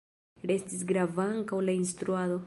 Restis grava ankaŭ la instruado.